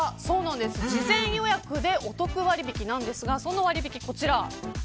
事前予約でお得割引きなんですがその割引、こちら。